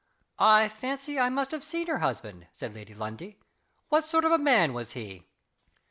"I fancy I must have seen her husband," said Lady Lundie. "What sort of a man was he?"